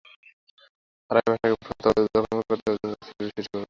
আড়াই মাস আগে ফুটপাত অবৈধ দখলমুক্ত করতে অভিযান চালায় সিলেট সিটি করপোরেশন।